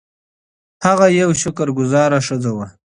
هغه یوه شکر ګذاره ښځه وه.